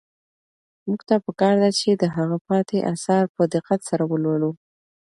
موږ ته په کار ده چې د هغه پاتې اثار په دقت سره ولولو.